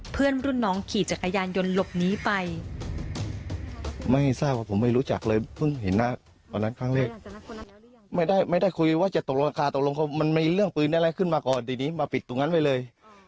เพื่อนรุ่นน้องขี่จักรยานยนต์หลบหนีไปไม่ทราบว่าผมไม่รู้จักเลย